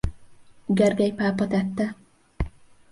Gergely pápa tette.